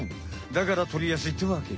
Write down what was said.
だからとりやすいってわけ。